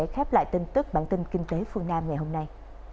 khép lại tin tức bản tin kinh tế phương nam ngày hôm nay